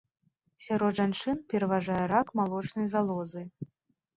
Сярод жанчын пераважае рак малочнай залозы.